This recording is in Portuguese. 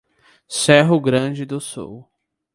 Cerro Grande do Sul